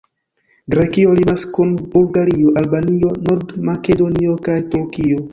Grekio limas kun Bulgario, Albanio, Nord-Makedonio kaj Turkio.